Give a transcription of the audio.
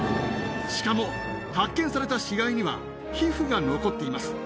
しかも発見された死骸には皮膚が残っています。